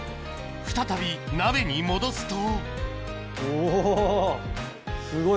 再び鍋に戻すとおぉ。